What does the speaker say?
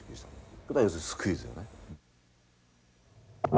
そしたら要するにスクイズよね。